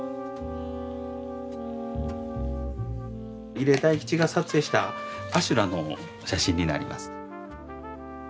入江泰吉が撮影した阿修羅の写真になります。